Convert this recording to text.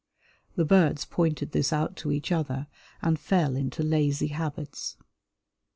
The birds pointed this out to each other, and fell into lazy habits.